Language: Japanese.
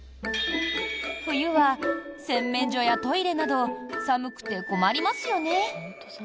冬は、洗面所やトイレなど寒くて困りますよね？